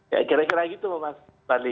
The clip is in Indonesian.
ya kira kira gitu mas badli